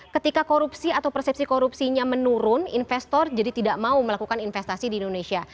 ketika korupsi atau persepsi korupsinya menurun investor jadi tidak mau melakukan investasi di indonesia